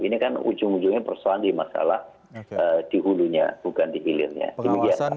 ini kan ujung ujungnya persoalan di masalah di hulunya bukan di hilirnya